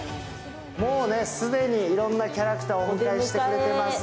もう既にいろんなキャラクターがお出迎えしてくれています。